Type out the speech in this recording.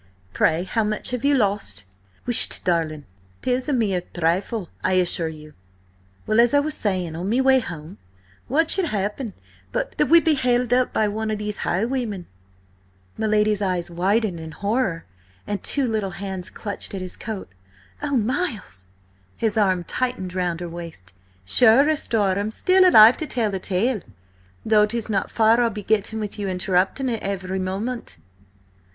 Pray, how much have you lost?" "Whisht, darlin', 'tis a mere thrifle, I assure you. ... Well, as I was saying, on me way home, what should happen but that we be held up by one of these highwaymen—" My lady's eyes widened in horror, and two little hands clutched at his coat. "Oh, Miles!" His arm tightened round her waist. "Sure, asthore, I'm still alive to tell the tale, though 'tis not far I'll be getting with you interrupting at every moment!"